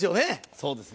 そうですね。